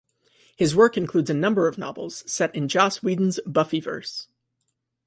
His work includes a number of novels set in Joss Whedon's Buffyverse.